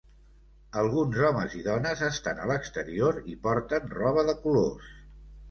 Alguns homes i dones estan a l'exterior i porten roba de colors.